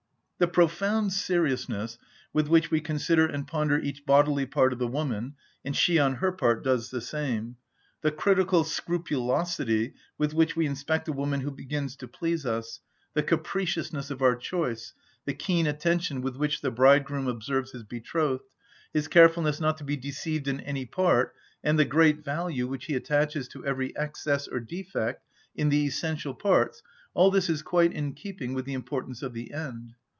The profound seriousness with which we consider and ponder each bodily part of the woman, and she on her part does the same, the critical scrupulosity with which we inspect a woman who begins to please us, the capriciousness of our choice, the keen attention with which the bridegroom observes his betrothed, his carefulness not to be deceived in any part, and the great value which he attaches to every excess or defect in the essential parts, all this is quite in keeping with the importance of the end.